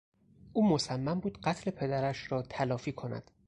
او مصمم بود قتل پدرش را تلافی کند.